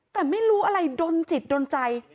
แต่ไม่รู้อะไรดนจิตโดนใจ